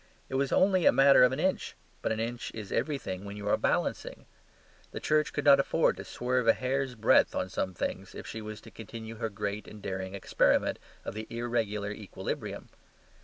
It was only a matter of an inch; but an inch is everything when you are balancing. The Church could not afford to swerve a hair's breadth on some things if she was to continue her great and daring experiment of the irregular equilibrium.